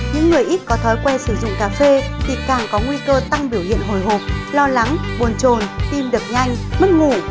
những người ít có thói quen sử dụng cà phê thì càng có nguy cơ tăng biểu hiện hồi hộp lo lắng buồn trồn tim đập nhanh mất ngủ